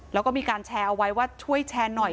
แล้วก็มีการแชร์เอาไว้ว่าช่วยแชร์หน่อย